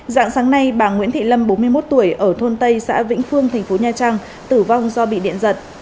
dạng sáng nay bà nguyễn thị lâm bốn mươi một tuổi ở thôn tây xã vĩnh phương thành phố nha trang tử vong do bị điện giật